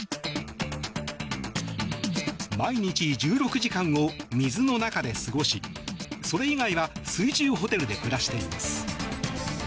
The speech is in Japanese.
毎日１６時間を水の中で過ごしそれ以外は水中ホテルで暮らしています。